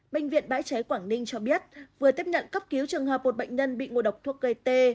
bệnh viện bãi cháy quảng ninh cho biết vừa tiếp nhận cấp cứu trường hợp một bệnh nhân bị ngộ độc thuốc gây tê